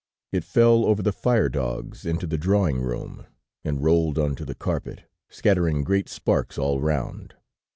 It fell over the fire dogs into the drawing room, and rolled onto the carpet, scattering great sparks all round.